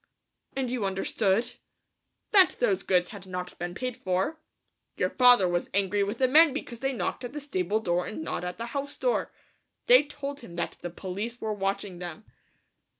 "And you understood?" "That those goods had not been paid for. Your father was angry with the men because they knocked at the stable door and not at the house door. They told him that the police were watching them."